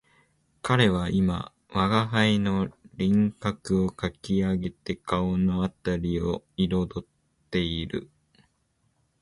彼は今吾輩の輪廓をかき上げて顔のあたりを色彩っている